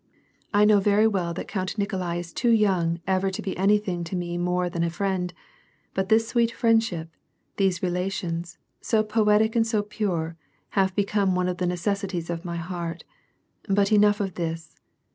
I know very well that Count Nikolai is too young ever to be anything to me more than a friend, but this sweet friendship, these relations, so poetic and so pure, have become one of the necessities of my heart. But enough of this